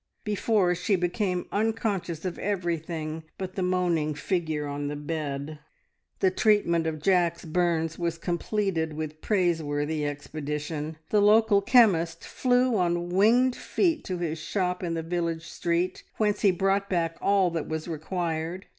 before she became unconscious of everything but the moaning figure on the bed. The treatment of Jack's burns was completed with praiseworthy expedition. The local chemist flew on winged feet to his shop in the village street, whence he brought back all that was required.